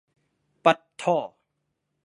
ปั๊ดธ่อ